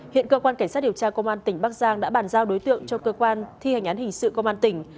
hiện cơ quan cảnh sát điều tra công an tỉnh bắc giang đã bàn giao đối tượng cho cơ quan thi hành án hình sự công an tỉnh